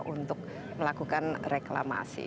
untuk melakukan reklamasi